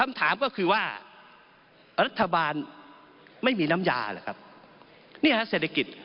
คำถามก็คือว่ารัฐบาลไม่มีน้ำยาเนี่ยศาสตร์แสนกิจ